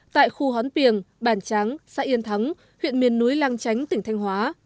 tại khu hón piềng bản tráng xã yên thắng huyện miền núi lang chánh tỉnh thanh hóa